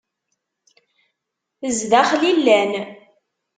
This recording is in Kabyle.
Zdaxel i llan.